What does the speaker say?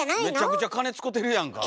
めちゃくちゃ金使うてるやんか。